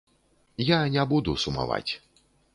Я не буду сумаваць.